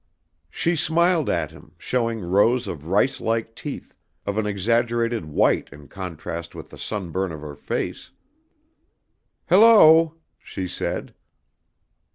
She smiled at him, showing rows of rice like teeth, of an exaggerated white in contrast with the sunburn of her face. "Hello," she said.